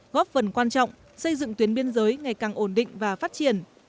góp phần quan trọng xây dựng tuyến biên giới ngày càng ổn định và phát triển